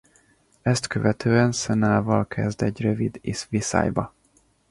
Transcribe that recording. Ezt követően Cena-val kezd egy rövid viszályba.